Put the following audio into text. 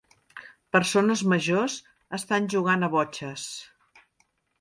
Persones majors estan jugand a botxes.